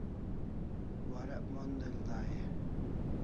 Warek mon del dai e?